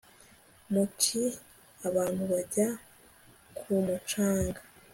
mu ci, abantu bajya ku mucanga